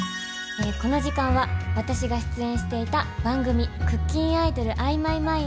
この時間は私が出演していた番組「クッキンアイドルアイ！